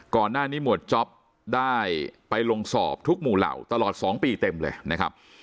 หมวดจ๊อปได้ไปลงสอบทุกหมู่เหล่าตลอด๒ปีเต็มเลยนะครับ